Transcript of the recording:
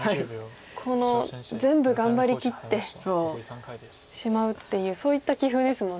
この全部頑張りきってしまうっていうそういった棋風ですもんね。